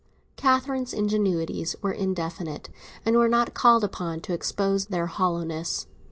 Catherine's ingenuities were indefinite, and we are not called upon to expose their hollowness.